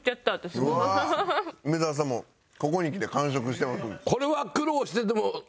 梅沢さんもここにきて完食してます。